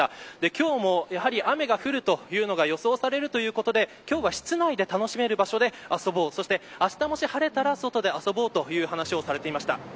今日もやはり雨が降るというのが予想されるということで今日は室内で楽しめる場所で遊ぼうそして、あしたもし晴れたら外で遊ぼうという話をされていました。